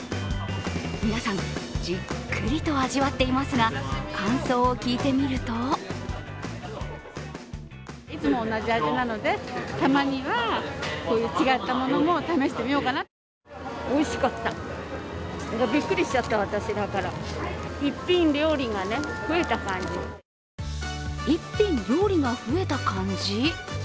皆さんじっくりと味わっていますが感想を聞いてみると一品料理が増えた感じ？